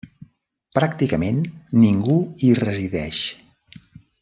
Pràcticament ningú hi resideix.